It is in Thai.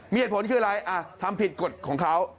มีเหตุผลคืออะไรทำผิดกฎของเขา